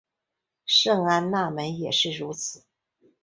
圣安娜门也是如此。